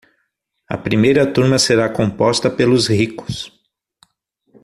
A primeira turma será composta pelos ricos.